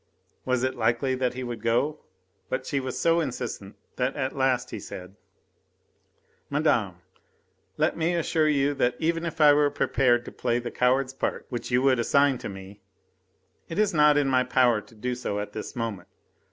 Was it likely that he would go? But she was so insistent that at last he said: "Madame, let me assure you that even if I were prepared to play the coward's part which you would assign to me, it is not in my power to do so at this moment.